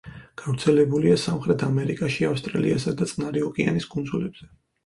გავრცელებულია სამხრეთ ამერიკაში, ავსტრალიასა და წყნარი ოკეანის კუნძულებზე.